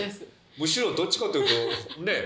むしろどっちかというとねえ。